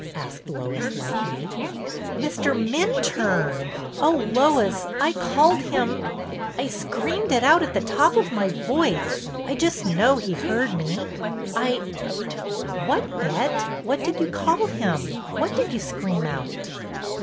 asked Lois, lightly. MINTURNFS STORMY ROW 217 " Mr. Minturne. Oh, Lois, I called him — I screamed it out at the top of my voice — I just know he heard me — I —'' ''What, Bet? What did you call him? What did you scream out?